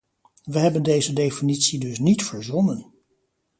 We hebben deze definitie dus niet verzonnen.